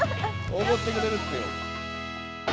おごってくれるってよ。